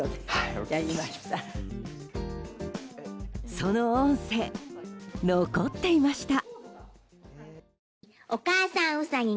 その音声、残っていました。